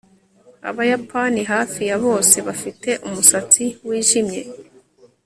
Abayapani hafi ya bose bafite umusatsi wijimye